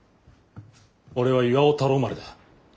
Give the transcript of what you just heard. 俺は巌太郎丸だ。